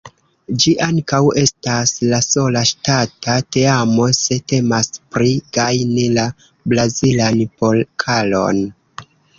Ĝi ankaŭ estas la sola ŝtata teamo se temas pri gajni la Brazilan Pokalon.